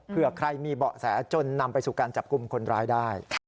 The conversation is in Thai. เพื่อใครมีเบาะแสจนนำไปสู่การจับกลุ่มคนร้ายได้